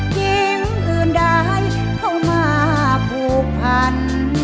หญิงอื่นได้เข้ามาผูกพัน